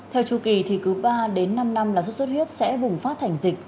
theo chủ kỳ thì cứ ba đến năm năm là xuất xuất huyết sẽ bùng phát thành diễn